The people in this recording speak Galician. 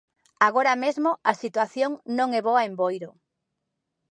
Agora mesmo a situación non é boa en Boiro.